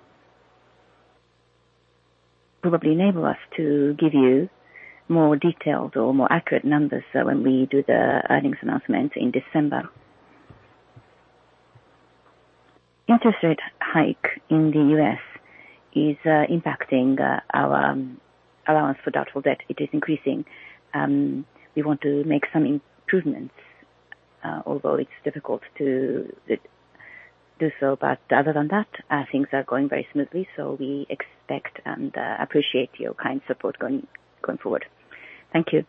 probably enable us to give you more detailed or more accurate numbers, when we do the earnings announcement in December. Interest rate hike in the U.S. is impacting our allowance for doubtful debt. It is increasing. We want to make some improvements, although it's difficult to do so. But other than that, things are going very smoothly, so we expect and appreciate your kind support going forward. Thank you.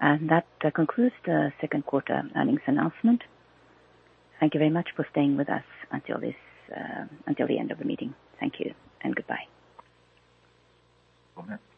And that concludes the second quarter earnings announcement. Thank you very much for staying with us until this, until the end of the meeting. Thank you and goodbye. Over. Mm-hmm. Mm.